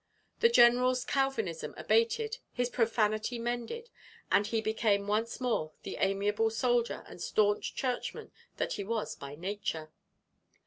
The general's Calvinism abated, his profanity mended, and he became once more the amiable soldier and stanch churchman that he was by nature.